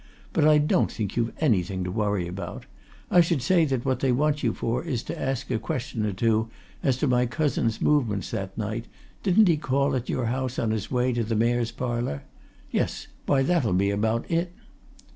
But I don't think you've anything to worry about I should say that what they want you for is to ask a question or two as to my cousin's movements that night, didn't he call at your house on his way to the Mayor's Parlour? Yes, why that'll be about it!"